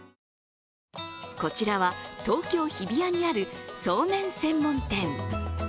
こちらは、東京・日比谷にあるそうめん専門店。